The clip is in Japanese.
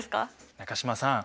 中島さん